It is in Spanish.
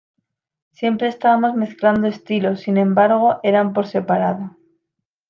Siempre estábamos mezclando estilos, sin embargo eran por separado"".